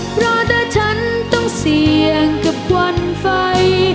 เพราะถ้าฉันต้องเสี่ยงกับควันไฟ